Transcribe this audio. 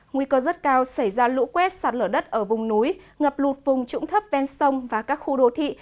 nguy cơ rất cao xảy ra lũ quét sạt lở đất ở vùng núi ngập lụt vùng trũng thấp ven sông và các khu đô thị